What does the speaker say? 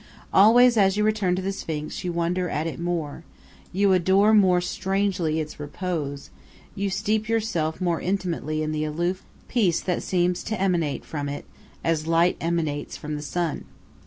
Always as you return to the Sphinx you wonder at it more, you adore more strangely its repose, you steep yourself more intimately in the aloof peace that seems to emanate from it as light emanates from the sun.